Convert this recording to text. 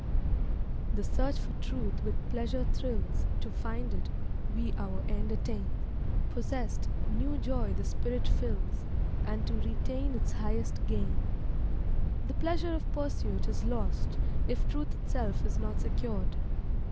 The search for Truth with pleasure thrills; To find it, we our end attain Possessed, new joy the spirit fills, And to retain is highest gain. The pleasure of pursuit is lost If truth itself is not secured.